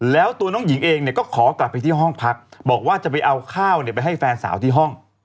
แล้วตัวน้องหญิงเองเนี่ยก็ขอกลับไปที่ห้องพักบอกว่าจะไปเอาข้าวเนี่ยไปให้แฟนสาวที่ห้อง